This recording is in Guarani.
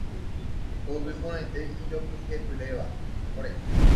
Ko yvy porãite ijoheipyréva